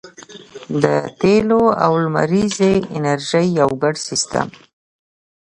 د تیلو او لمریزې انرژۍ یو ګډ سیستم